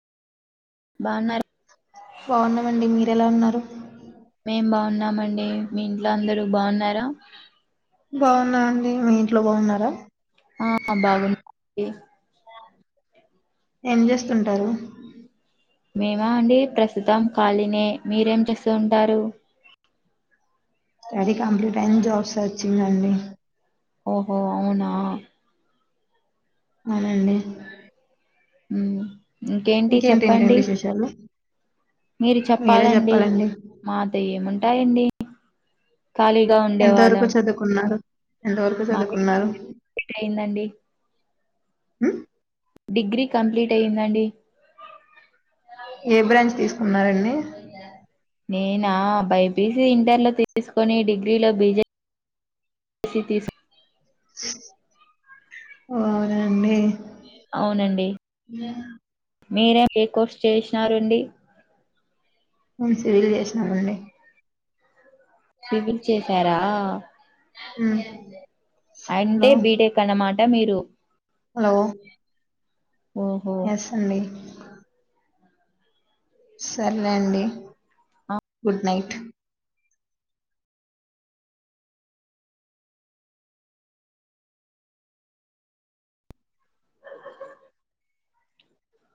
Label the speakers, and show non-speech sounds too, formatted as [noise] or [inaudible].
Speaker 1: బాగున్నారు
Speaker 2: బాగున్నామండి మీర ఎలా ఉన్నారు
Speaker 1: మేం బాగున్నామండి మీ ఇంట్లో అందరూ బాగున్నారా
Speaker 2: బాగున్నానండి మీ ఇంట్లో బాగున్నారా
Speaker 1: ఆ బాగున్నా [inaudible]
Speaker 2: ఏం చేస్తుంటారు
Speaker 1: మేమా అండి ప్రస్తుతానికి ఖాళీనే మీరేం చేస్తు ఉంటారు
Speaker 2: స్టడీ కంప్లీట్ అయింది జాబ్స్ సర్చింగ్ అండి
Speaker 1: ఓహో అవునా
Speaker 2: అవునండి
Speaker 1: మ్మ్ ఇంకేంటి
Speaker 2: ఇంకేంటేంటి
Speaker 1: చెప్పండి
Speaker 2: విశేషాలు
Speaker 1: మీరు చెప్పాలండి మాతో ఏముంటాయండి ఖాళీగా
Speaker 2: ఎంత వరకు
Speaker 1: ఉండేవాళ్ళం
Speaker 2: చదువుకున్నారు. ఎంత వరకు చదువుకున్నారు
Speaker 1: డిగ్రీ అయిందండీ
Speaker 2: మ్మ్
Speaker 1: డిగ్రీ కంప్లీట్ అయ్యిందండి
Speaker 2: ఏ బ్రాంచ్ తీసుకున్నారండి
Speaker 1: నేనా బైపీసీ ఇంటర్లో తీసుకొని డిగ్రీలో బీజే స్ తీసు
Speaker 2: ఓనండి
Speaker 1: అవునండి మీరేం ఏ కోర్స్ చేసినారండి
Speaker 2: నేను సివిల్ చేసినామండి
Speaker 1: సివిల్ చేసారా
Speaker 2: మ్మ్
Speaker 1: అంటే బీటెక్ అనమాట మీరు
Speaker 2: హలో
Speaker 1: ఓహో
Speaker 2: ఎస్ అండి సర్లేే అండి గుడ్ నైట్